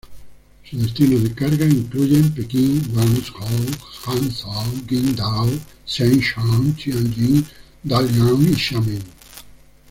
Sus destinos de carga incluyen Pekín, Guangzhou, Hangzhou, Qingdao, Shenyang, Tianjin, Dalian y Xiamen.